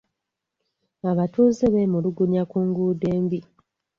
Abatuuze bemulugunya ku nguudo embi.